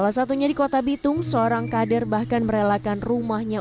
salah satunya di kota bitung seorang kader bahkan merelakan rumahnya